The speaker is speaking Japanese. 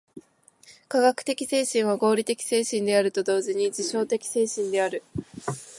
科学的精神は合理的精神であると同時に実証的精神である。